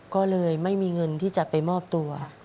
ก็เลยไม่มีเงินที่จะไปมอบตัว